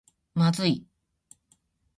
まずい